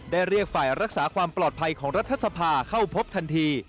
เรียกฝ่ายรักษาความปลอดภัยของรัฐสภาเข้าพบทันที